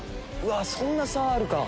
そんな差あるか。